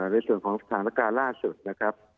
ในส่วนของสถานการณ์ล่าสุดนะครับ